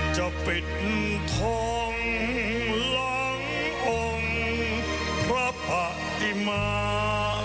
จะปิดทองหลังองค์พระปฏิมา